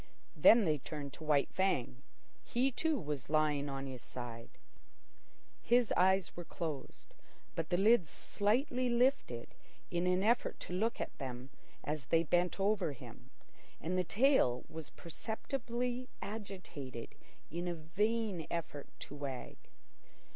Then they turned to White Fang. He, too, was lying on his side. His eyes were closed, but the lids slightly lifted in an effort to look at them as they bent over him, and the tail was perceptibly agitated in a vain effort to wag.